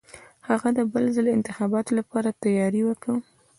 هغه د بل ځل انتخاباتو لپاره تیاری وکه.